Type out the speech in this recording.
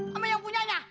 sama yang punya nya